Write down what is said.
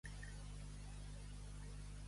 Merda d'hom no put.